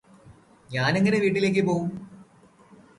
ഞാനെങ്ങനെ വീട്ടിലേക്ക് പോവും